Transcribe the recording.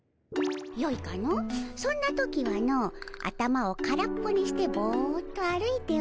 よいかのそんな時はの頭を空っぽにしてボッと歩いておればよいのじゃ。